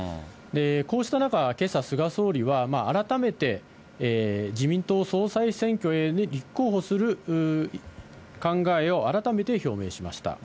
こうした中、けさ、菅総理は改めて自民党総裁選挙に立候補する考えを改めて表明しました。